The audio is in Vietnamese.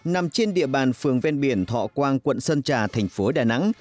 nằm trên địa bàn phường ven biển thọ quang quận sơn trà thành phố đà nẵng